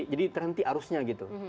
jadi terhenti arusnya gitu